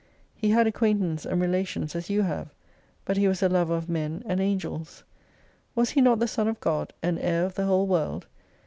He had acquaintance and relations as you have, but He was a lover of Men and Angels. Was he not the Son of God ; and Heir of the whole world